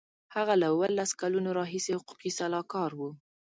هغه له اوولس کلونو راهیسې حقوقي سلاکار و.